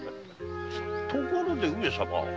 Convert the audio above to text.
ところで上様。